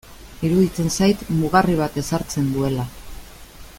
Iruditzen zait mugarri bat ezartzen duela.